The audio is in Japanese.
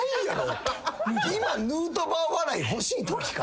今ヌートバー笑い欲しいときか？